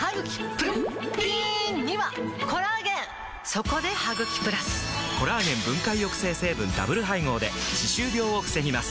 そこで「ハグキプラス」！コラーゲン分解抑制成分ダブル配合で歯周病を防ぎます